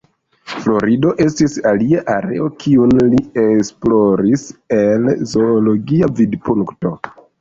Florido estis alia areo kiun li esploris el zoologia vidpunkto.